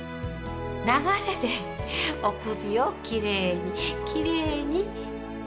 流れでお首をきれいにきれいに。